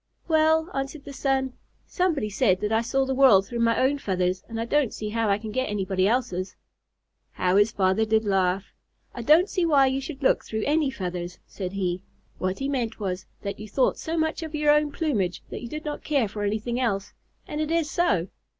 "Well," answered the son, "somebody said that I saw the world through my own feathers, and I don't see how I can get anybody else's." How his father did laugh! "I don't see why you should look through any feathers," said he. "What he meant was that you thought so much of your own plumage that you did not care for anything else; and it is so.